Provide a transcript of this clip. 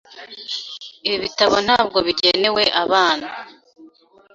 Ibi bitabo ntabwo bigenewe abana .